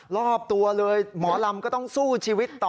รอบตัวเลยหมอลำก็ต้องสู้ชีวิตต่อ